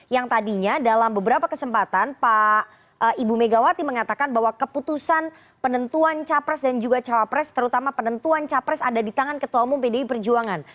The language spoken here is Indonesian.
yang tadinya dalam beberapa kesempatan pak ibu megawati mengatakan bahwa keputusan penentuan capres dan juga cawapres terutama penentuan capres ada di tangan ketua umum pdi perjuangan